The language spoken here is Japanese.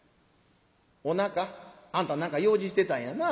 『お仲あんた何か用事してたんやな』。